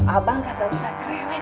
abang gak usah cerewet